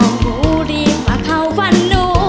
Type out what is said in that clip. งูรีบมาเข้าฝั่งหนู